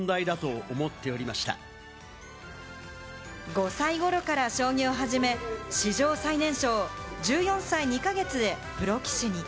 ５歳頃から将棋を始め、史上最年少１４歳２か月でプロ棋士に。